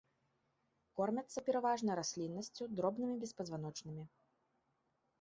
Кормяцца пераважна расліннасцю, дробнымі беспазваночнымі.